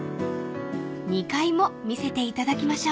［２階も見せていただきましょう］